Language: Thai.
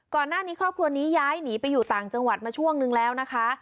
ครอบครัวนี้ย้ายหนีไปอยู่ต่างจังหวัดมาช่วงนึงแล้วนะคะ